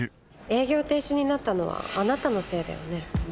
営業停止になったのはあなたのせいだよね？